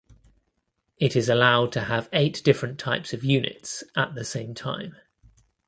It is allowed to have eight different types of units at the same time.